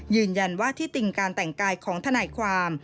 ยืนยันว่าที่ติงการแต่งกายของทนายความ